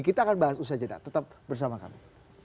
kita akan bahas usaha jeda tetap bersama kami